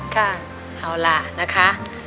ค่ะเอาล่ะนะคะ